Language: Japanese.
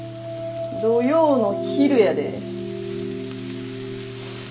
土曜の昼やで。